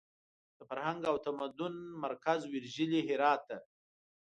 د فرهنګ او تمدن مرکز ویرژلي هرات ته!